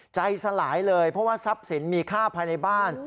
ใจสลายเลยเพราะว่าทรัพย์สินมีค่าภายในบ้าน